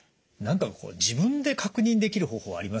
何かこう自分で確認できる方法ありませんか？